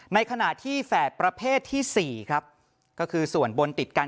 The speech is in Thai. ในขณะที่แฝดประเภทที่๔ครับก็คือส่วนบนติดกัน